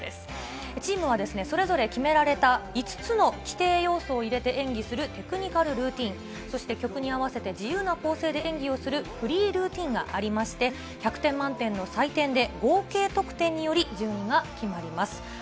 チームはそれぞれ決められた５つの規定要素を入れて演技するテクニカルルーティン、曲に合わせて自由な構成で演技をするフリールーティンがありまして１００点満点の採点で合計得点により順位が決まります。